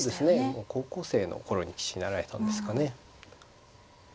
もう高校生の頃に棋士になられたんですかね。